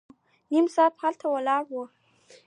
نيم ساعت به هلته ولاړ وو.